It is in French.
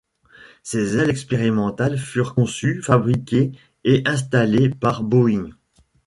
Ses ailes expérimentales furent conçues, fabriquées et installées par Boeing.